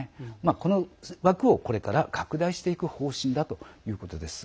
この枠をこれから拡大していく方針だということです。